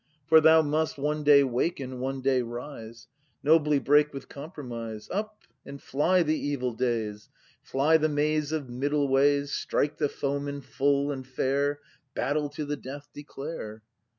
For thou must One day waken, one day rise. Nobly break with compromise; — Up, and fly the evil days. Fly the maze of middle ways. Strike the foeman full and fair. Battle to the death declare!